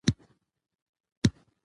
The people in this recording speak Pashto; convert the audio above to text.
افغانستان د ځمکنی شکل کوربه دی.